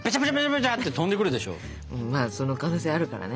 まあその可能性あるからね。